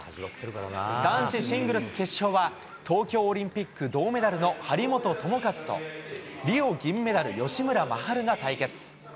男子シングルス決勝は、東京オリンピック銅メダルの張本智和と、リオ銀メダル、吉村真晴が対決。